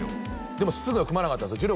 でもすぐは組まなかったんすよ